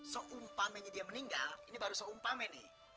seumpamanya dia meninggal ini baru seumpamanya